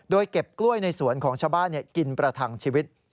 โดยเก็บกล้วยในสวนของชาวบ้านกินประทังชีวิต